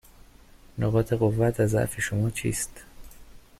نقاط قوت و ضعف شما چیست؟